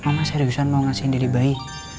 mama seriusan mau ngasihin dede bayi